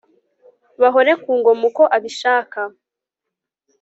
bahore ku ngoma uko abishaka